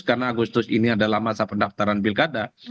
karena agustus ini adalah masa pendaftaran pilkada